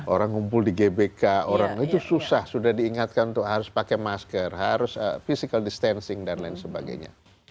orang ngumpul di gbk orang itu susah sudah diingatkan untuk harus pakai masker harus physical distancing dan lain sebagainya